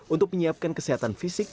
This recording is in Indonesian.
untuk menyiapkan kesehatan fisik